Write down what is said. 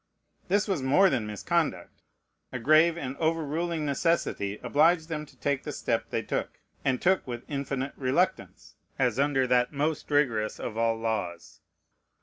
This was more than misconduct. A grave and overruling necessity obliged them to take the step they took, and took with infinite reluctance, as under that most rigorous of all laws.